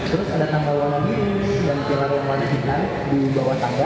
terus ada tangga warna ini dan pilar yang warna hitam di bawah tangga